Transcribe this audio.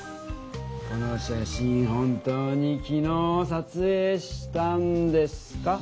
この写真本当にきのうさつえいしたんですか？